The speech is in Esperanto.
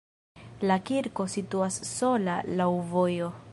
La kirko situas sola laŭ vojo.